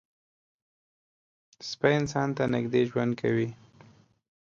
سپي انسان ته نږدې ژوند کوي.